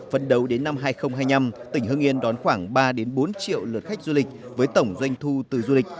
phấn đấu đến năm hai nghìn hai mươi năm tỉnh hưng yên đón khoảng ba bốn triệu lượt khách du lịch với tổng doanh thu từ du lịch